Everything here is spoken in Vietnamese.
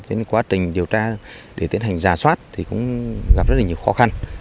thế nên quá trình điều tra để tiến hành ra soát thì cũng gặp rất là nhiều khó khăn